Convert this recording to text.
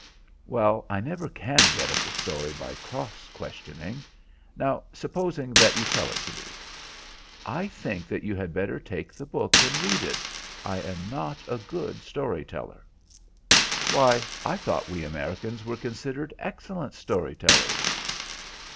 "Well, I never can get at the story by cross questioning. Now, supposing that you tell it to me." "I think that you had better take the book and read it. I am not a good story teller." "Why, I thought we Americans were considered excellent story tellers.